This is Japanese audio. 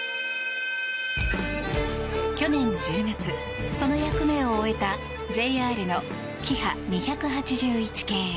去年１０月、その役目を終えたＪＲのキハ２８１系。